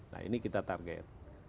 nah ini kita target